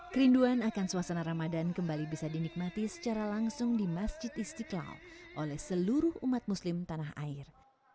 kerinduan akan suasana ramadan kembali bisa dinikmati secara langsung di masjid istiqlal oleh seluruh umat muslim tanah air